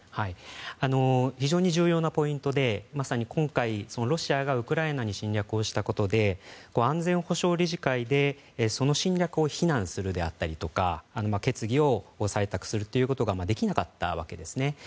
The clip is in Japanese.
非常に重要なポイントでまさに今回、ロシアがウクライナに侵略をしたことで安全保障理事会でその侵略を非難するであったり決議を採択するということができなかったわけですね。